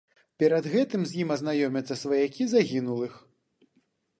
Перад гэтым з ім азнаёмяцца сваякі загінулых.